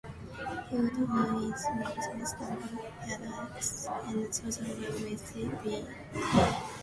Hilltown is northwest of Galax and south of Wytheville.